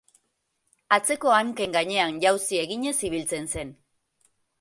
Atzeko hanken gainean jauzi eginez ibiltzen zen.